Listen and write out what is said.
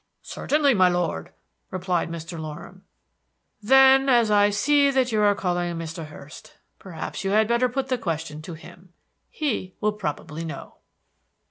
"Certainly, my lord," replied Mr. Loram. "Then, as I see that you are calling Mr. Hurst, perhaps you had better put the question to him. He will probably know."